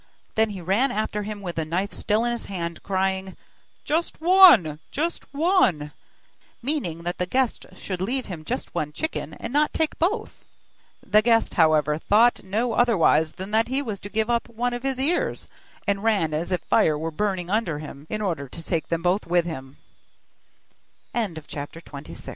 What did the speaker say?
Then he ran after him with the knife still in his hand, crying: 'Just one, just one,' meaning that the guest should leave him just one chicken, and not take both. The guest, however, thought no otherwise than that he was to give up one of his ears, and ran as if fire were burning under him, in order